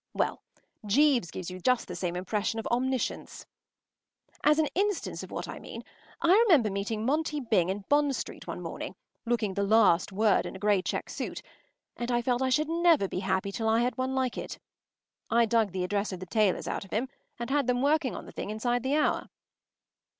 Well, Jeeves gives you just the same impression of omniscience. As an instance of what I mean, I remember meeting Monty Byng in Bond Street one morning, looking the last word in a grey check suit, and I felt I should never be happy till I had one like it. I dug the address of the tailors out of him, and had them working on the thing inside the hour.